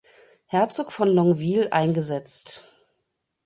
Herzog von Longueville eingesetzt.